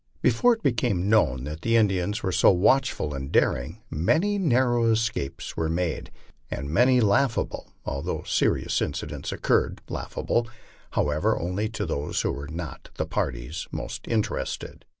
Before it became known that the Indians were so watchful and daring, many narrow escapes were made, and many laughable although serious incidents occurred laughable, however, only to those who were not the parties most interested.